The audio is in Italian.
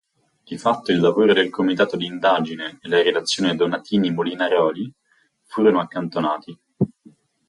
Di fatto, il lavoro del comitato di indagine e la relazione Donatini-Molinaroli furono accantonati.